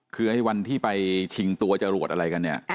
คือให้วันที่ไปชิงตัวจรวดอะไรกัน